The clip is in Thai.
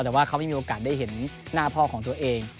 แต่ว่าเขาไม่มีโอกาสได้เห็นหน้าพ่อของตัวเอง